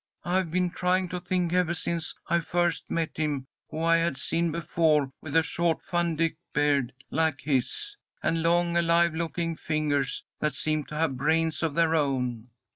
"I've been trying to think ever since I first met him, who I had seen before with a short Vandyke beard like his, and long, alive looking fingers, that seem to have brains of their own."